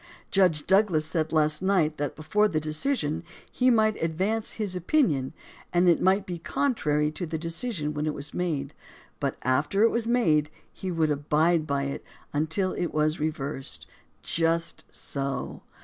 Judge Douglas said last night that before the decision he might advance his opinion, and it might be contrary to the decision when it was made; but after it was made he would abide by it until it was reversed. Just so